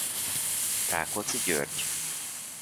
Rákóczi György.